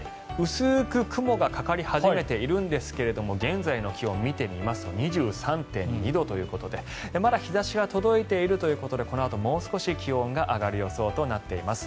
薄く雲がかかり始めているんですけれど現在の気温を見てみますと２３．２度ということでまだ日差しが届いているということでこのあともう少し気温が上がる予想となっています。